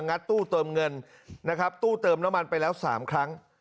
งัดตู้เติมเงินนะครับตู้เติมน้ำมันไปแล้ว๓ครั้ง